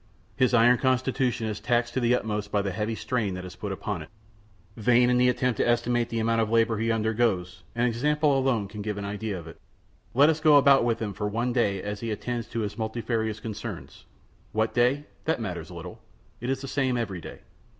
His iron constitution is taxed to the utmost by the heavy strain that is put upon it. Vain the attempt to estimate the amount of labor he undergoes; an example alone can give an idea of it. Let us then go about with him for one day as he attends to his multifarious concernments. What day? That matters little; it is the same every day.